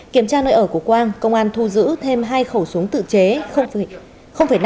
kiểm tra nơi ở của quang công an thu giữ thêm hai khẩu súng tự chế